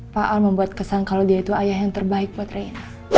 pak al membuat kesan kalau dia itu ayah yang terbaik buat raina